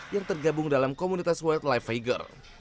yang tergabung dalam komunitas wildlife figure